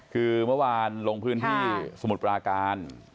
คือเมื่อวานลงพื้นที่สมุทรปราการ